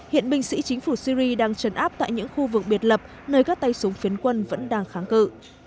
hiện binh sĩ chính phủ syri đang chấn áp tại những khu vực biệt lập nơi các tay súng phiến quân vẫn đang kháng cự